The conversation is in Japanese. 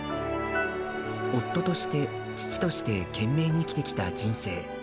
夫として、父として懸命に生きてきた人生。